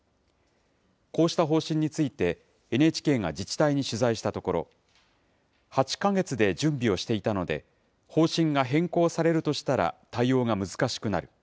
こうした方針についてＮＨＫが自治体に取材したところ、８か月で準備をしていたので、方針が変更されるとしたら対応が難しくなる。